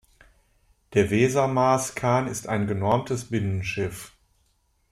Der "Weser-Maß-Kahn" ist ein genormtes Binnenschiff.